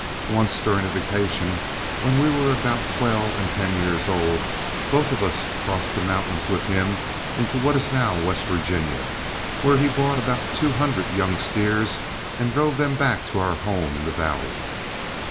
Once during a vacation, when we were about twelve and ten years old, both of us crossed the mountains with him into what is now West Virginia, where he bought about two hundred young steers and drove them back to our home in the valley.